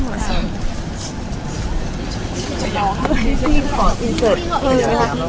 ภาษาสนิทยาลัยสุดท้าย